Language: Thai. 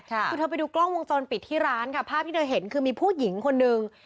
คือเธอไปดูกล้องวงจรปิดที่ร้านค่ะภาพที่เธอเห็นคือมีผู้หญิงคนนึง